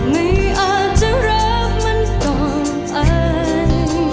ไม่อาจจะรักมันตกใจ